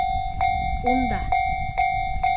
Унда!